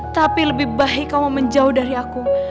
tapi lebih baik kamu menjauh dari aku